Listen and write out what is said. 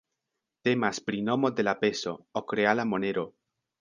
Temas pri nomo de la peso, ok-reala monero.